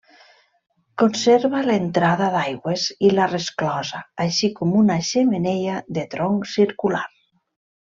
Conserva l'entrada d'aigües i la resclosa, així com una xemeneia de tronc circular.